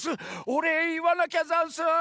おれいいわなきゃざんす！